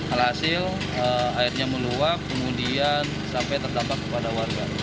alhasil airnya meluap kemudian sampai terdampak kepada warga